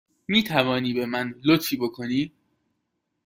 می توانی به من لطفی بکنی؟